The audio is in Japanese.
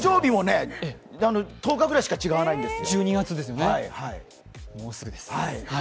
誕生日も１０日ぐらいしか違わないんですよ。